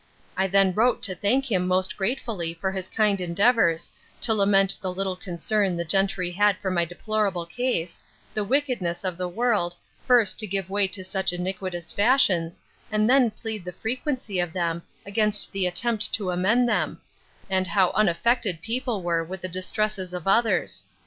I then wrote to thank him most gratefully for his kind endeavours; to lament the little concern the gentry had for my deplorable case; the wickedness of the world, first to give way to such iniquitous fashions, and then plead the frequency of them, against the attempt to amend them; and how unaffected people were with the distresses of others.